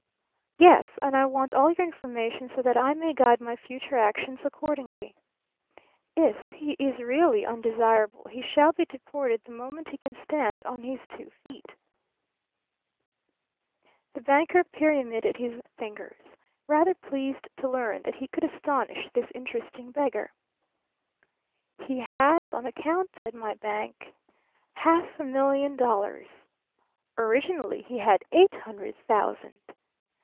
"Yes. And I want all your information so that I may guide my future actions accordingly. If he is really undesirable he shall be deported the moment he can stand on his two feet." The banker pyramided his fingers, rather pleased to learn that he could astonish this interesting beggar. "He has on account at my bank half a million dollars. Originally he had eight hundred thousand.